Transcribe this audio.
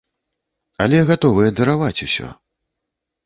Але гатовыя дараваць усё.